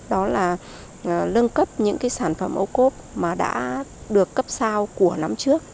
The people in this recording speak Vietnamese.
đó là nâng cấp những cái sản phẩm ô cốp mà đã được cấp sao của năm trước